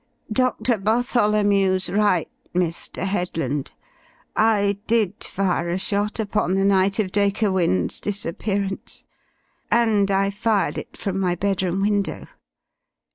Doctor Bartholomew's right, Mr. Headland. I did fire a shot upon the night of Dacre Wynne's disappearance, and I fired it from my bedroom window.